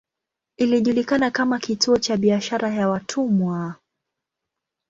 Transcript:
Ilijulikana kama kituo cha biashara ya watumwa.